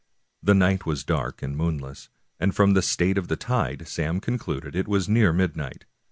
The night was dark and moonless, and from the state of the tide Sam concluded it was near midnight.